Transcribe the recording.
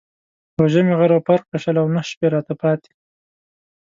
روژه مې غرم پر کړه شل او نهه شپې راته پاتې.